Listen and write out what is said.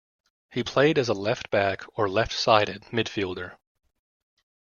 He played as a left back or left-sided midfielder.